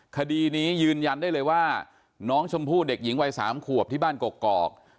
คดีนี้ยืนยันได้เลยว่าน้องชมพู่เด็กหญิงวัย๓ขวบที่บ้านกอก